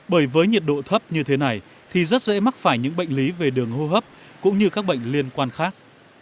bởi với nhiệt độ thấp như thế này thì rất dễ mắc phải những bệnh lý về đường hô hấp cũng như các bệnh liên quan khác